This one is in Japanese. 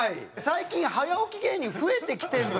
最近早起き芸人増えてきてるのよ。